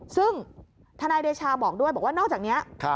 ซึ่งทนายเดชาบอกด้วยบอกว่านอกจากนี้